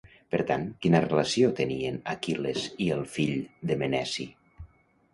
Per tant, quina relació tenien Aquil·les i el fill de Meneci?